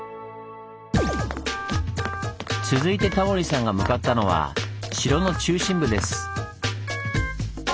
続いてタモリさんが向かったのは城の中心部です。